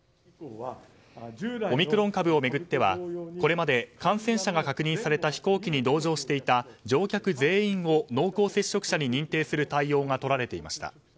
オミクロン株を巡ってはこれまで感染者が確認された飛行機に同乗していた乗客全員を濃厚接触者に認定する対応がとられていました。